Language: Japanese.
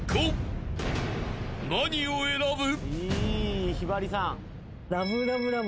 ［何を選ぶ？］